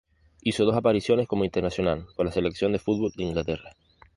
Hizo dos apariciones como internacional, con la selección de fútbol de Inglaterra.